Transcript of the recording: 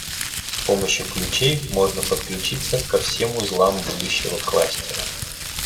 С помощью ключей можно подключиться ко всем узлам будущего кластера